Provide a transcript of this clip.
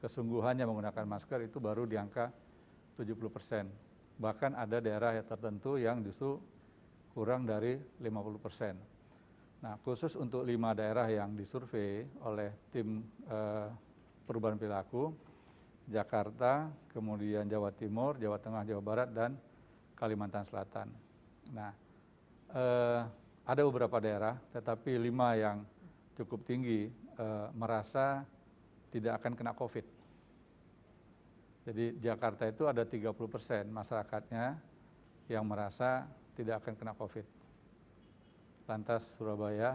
saya mungkin akan tetap menggunakan masker